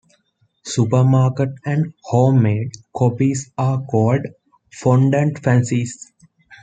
Supermarket and home-made copies are called Fondant Fancies.